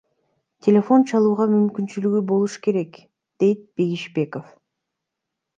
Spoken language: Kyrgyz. Телефон чалууга мүмкүнчүлүгү болуш керек, — дейт Багишбеков.